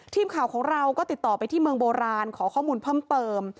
ทีมข่าวของเราก็ติดต่อไปที่เมืองโบราณขอข้อมูลเพิ่มเติม